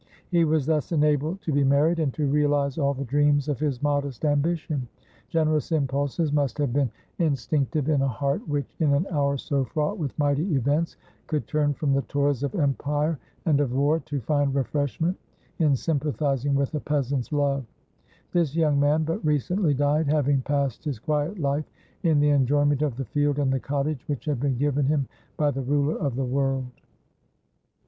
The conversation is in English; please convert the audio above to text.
He was thus enabled to be married, and to reaUze all the dreams of his modest ambition. Generous impulses must have been instinc 124 WHEN NAPOLEON CROSSED THE ALPS tive in a heart which, in an hour so fraught with mighty events, could turn from the toils of empire and of war, to find refreshment in sympathizing with a peasant's love. This young man but recently died, having passed his quiet hfe in the enjoyment of the field and the cottage which had been given him by the ruler of the world.